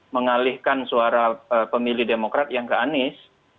mengalihkan suara pemilih demokrat yang ke anies